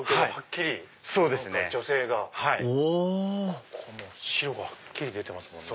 ここの白がはっきり出てますね。